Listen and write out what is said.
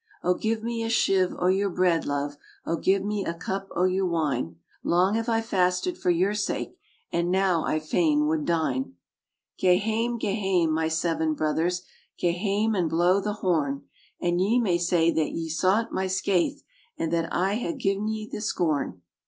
"O give me a shive o' your bread, love, O give me a cup o' your wine ! Long have I fasted for your sake, And now I fain would dine. "Gae hame, gae hame, my seven brothers, Gae hame and blow the horn! And ye may say that ye sought my skaith, And that I hae gi'en ye the scorn.